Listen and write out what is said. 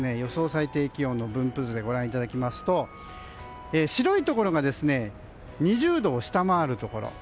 最低気温分布図でご覧いただきますと白いところが２０度を下回るところ。